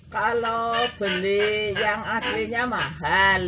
kalau beli yang aslinya mahal